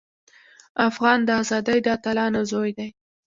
افغان د ازادۍ د اتلانو زوی دی.